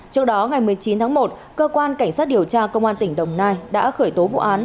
trước đó ngày một mươi chín tháng một cơ quan cảnh sát điều tra công an tỉnh đồng nai đã khởi tố vụ án